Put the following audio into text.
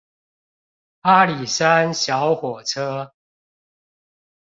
阿里山小火車